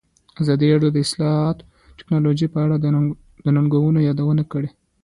ازادي راډیو د اطلاعاتی تکنالوژي په اړه د ننګونو یادونه کړې.